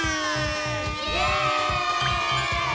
イエーイ！